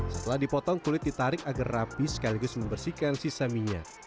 setelah dipotong kulit ditarik agar rapi sekaligus membersihkan sisa minyak